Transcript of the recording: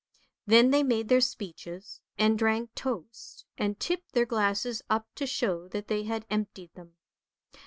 Then they made their speeches, and drank toasts and tipped their glasses up to show that they had emptied them.